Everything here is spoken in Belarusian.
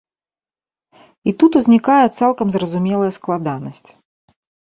І тут узнікае цалкам зразумелая складанасць.